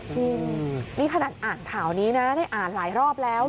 จริงนี่ขนาดอ่านข่าวนี้นะได้อ่านหลายรอบแล้ว